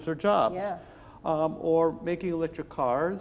atau membuat mobil eletrik